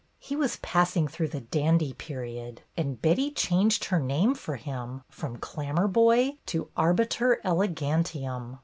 He was passing through the dandy period, and Betty changed her name for him from "Clammerboy"' to "Arbiter elegantium."